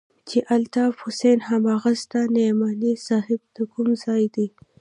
چې الطاف حسين هماغه ستا نعماني صاحب د کوم ځاى دى.